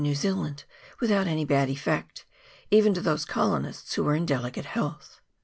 183 New Zealand without any bad effect, even to those colonists who are in delicate health.